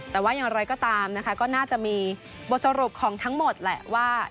แต่ว่าอย่างไรก็ตามนะคะก็น่าจะมีบทสรุปของทั้งหมดแหละว่า